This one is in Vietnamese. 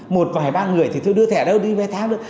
một vài ba người thì thôi đưa thẻ đâu đi vé thang thôi